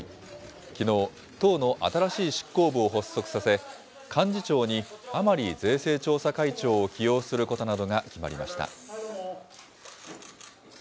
きのう、党の新しい執行部を発足させ、幹事長に甘利税制調査会長を起用することなどが決まりました。